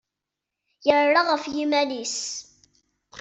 Yerra ɣef yiman-nnes.